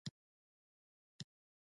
جلال اباد ښار ولې په ژمي کې ګرم وي؟